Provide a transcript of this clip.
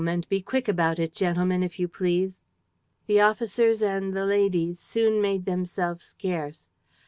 And be quick about it, gentlemen, if you please." The officers and the ladies soon made themselves scarce.